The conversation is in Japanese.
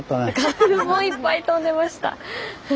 花粉もいっぱい飛んでました。